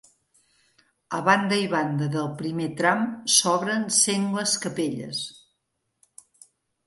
A banda i banda del primer tram s'obren sengles capelles.